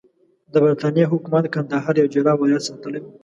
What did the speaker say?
د برټانیې حکومت کندهار یو جلا ولایت ساتلی وو.